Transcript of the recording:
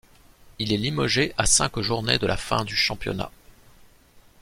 Il est limogé à cinq journées de la fin du championnat.